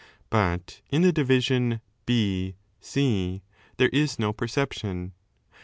But in the division B C there is no perception.